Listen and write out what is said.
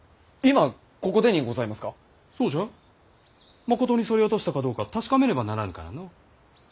まことにそり落としたかどうか確かめねばならぬからのう。